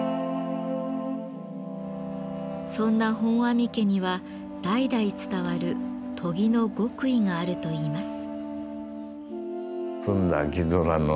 そんな本阿弥家には代々伝わる「研ぎの極意」があるといいます。